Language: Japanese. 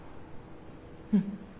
うん。